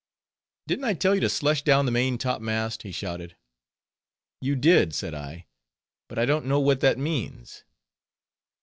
"Didn't I tell you to slush down the main top mast?" he shouted. "You did," said I, "but I don't know what that means."